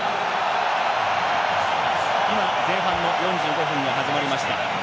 前半の４５分が始まりました。